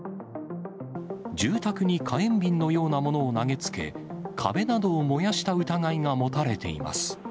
住宅に火炎瓶のようなものを投げつけ、壁などを燃やした疑いが持たれています。